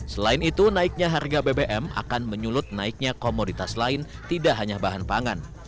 selain itu naiknya harga bbm akan menyulut naiknya komoditas lain tidak hanya bahan pangan